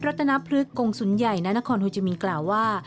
รัฐนพลึกกงศูนย์ใหญ่นานครโฮจิมินกล่าวว่า